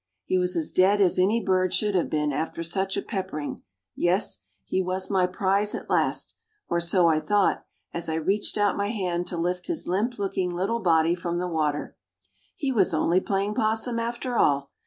He was as dead as any bird should have been after such a peppering; yes, he was my prize at last, or so I thought as I reached out my hand to lift his limp looking little body from the water. He was only playing possum after all.